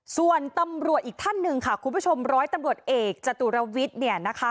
ส่วนตำรวจอีกท่านหนึ่งค่ะคุณผู้ชมร้อยตำรวจเอกจตุรวิทย์เนี่ยนะคะ